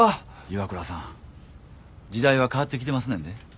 岩倉さん時代は変わってきてますねんで。